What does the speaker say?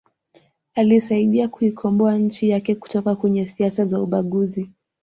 Alisaidia kuikomboa nchi yake kutoka kwenye siasa za ubaguzi